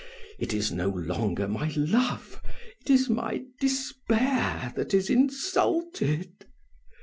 It is no longer my love, it is my despair that is insulted.